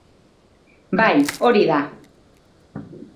Bai, hori da.